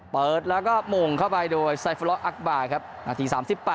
เปิดแล้วก็หม่งเข้าไปโดยไซฟอลออักบาร์ครับนาที๓๘